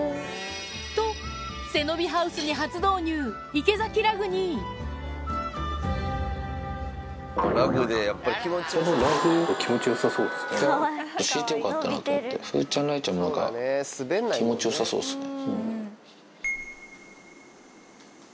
と、背伸びハウスに初導入、このラグ、気持ちよさそうで敷いてよかったなと思って、風ちゃん、雷ちゃんもなんか気持ちよさそうですね。